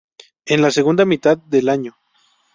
En la segunda mitad del año.